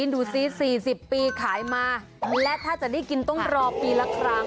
ดูซิ๔๐ปีขายมาและถ้าจะได้กินต้องรอปีละครั้ง